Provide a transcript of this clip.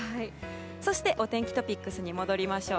そして、お天気トピックスに戻りましょう。